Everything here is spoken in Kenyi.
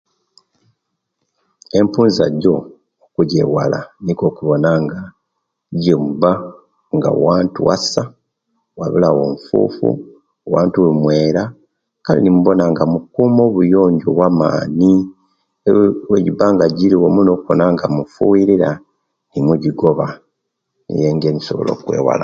Empuza gyo okujewala nikwo okubonanga ojoba nga wantu wasa wabulamu efufu wantu bwemwera kale nibona nga mukuuma obuyonjjo bwa'maani owejibanga jiriwo mulina okubona nga mufiirura nemujigoba niyo engeri jetusobola okujewala.